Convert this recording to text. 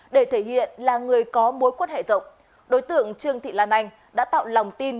để thể hiện là người có mối quan hệ rộng đối tượng trương thị lan anh đã tạo lòng tin